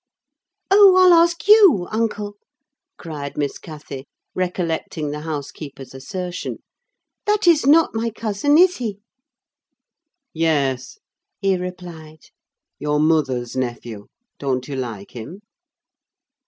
"Oh, I'll ask you, uncle," cried Miss Cathy, recollecting the housekeeper's assertion. "That is not my cousin, is he?" "Yes," he replied, "your mother's nephew. Don't you like him?"